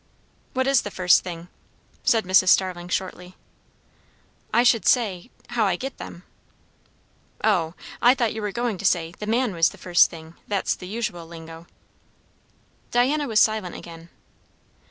"What is the first thing?" said Mrs. Starling shortly. "I should say, how I get them." "Oh! I thought you were going to say the man was the first thing. That's the usual lingo." Diana was silent again.